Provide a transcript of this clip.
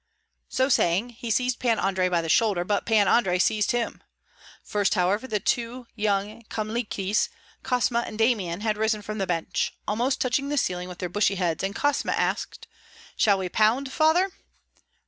So saying, he seized Pan Andrei by the shoulder; but Pan Andrei seized him. First, however, the two young Kyemliches, Kosma and Damian, had risen from the bench, almost touching the ceiling with their bushy heads, and Kosma asked, "Shall we pound, father?"